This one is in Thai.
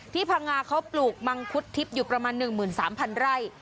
พังงาเขาปลูกมังคุดทิพย์อยู่ประมาณ๑๓๐๐ไร่